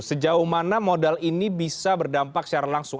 sejauh mana modal ini bisa berdampak secara langsung